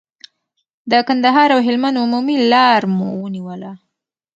د کندهار او هلمند عمومي لار مو ونیوله.